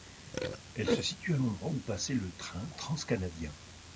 Elle se situe à l'endroit où passait le train trans-canadien.